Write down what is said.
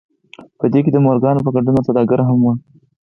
په دې کې د مورګان په ګډون نور سوداګر هم وو